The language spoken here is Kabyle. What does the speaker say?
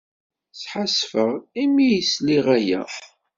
Sḥassfeɣ imi ay sliɣ aya.